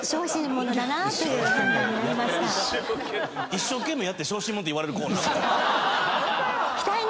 一生懸命やって小心者って言われるコーナー？